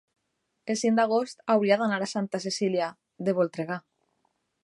el cinc d'agost hauria d'anar a Santa Cecília de Voltregà.